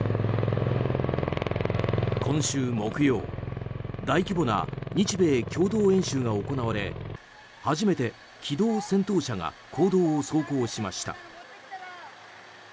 今週木曜、大規模な日米共同演習が行われ初めて機動戦闘車が公道を走行しました。